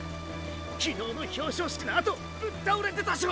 昨日の表彰式のあとぶっ倒れてたショ！